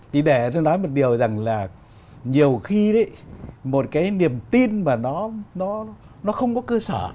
thì để tôi nói một điều rằng là nhiều khi đấy một cái niềm tin mà nó không có cơ sở